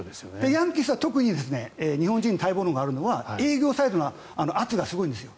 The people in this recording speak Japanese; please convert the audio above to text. ヤンキースは特に日本人待望論があるのは営業サイドの圧がすごいんです。